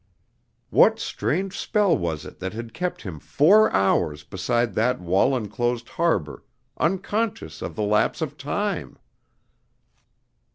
What strange spell was it that had kept him four hours beside that wall enclosed harbor unconscious of the lapse of time?